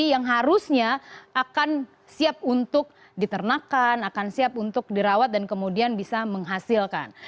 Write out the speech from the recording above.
yang harusnya akan siap untuk diternakan akan siap untuk dirawat dan kemudian bisa menghasilkan